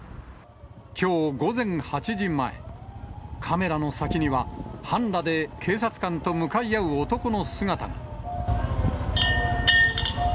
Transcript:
きょう午前８時前、カメラの先には、半裸で警察官と向かい合う男の姿が。